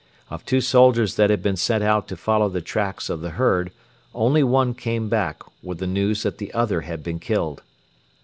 Of two soldiers that had been sent out to follow the tracks of the herd only one came back with the news that the other had been killed.